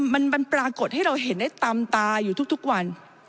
มันปรากฏให้เราเห็นได้ตามตาอยู่ทุกวัน